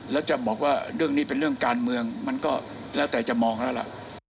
แล้วจะบอกว่าเรื่องนี้เป็นเรื่องการเมืองมันก็แล้วแต่จะมองแล้วล่ะ